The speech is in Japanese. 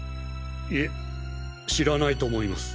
いえ知らないと思います。